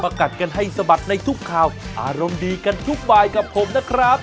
กัดกันให้สะบัดในทุกข่าวอารมณ์ดีกันทุกบายกับผมนะครับ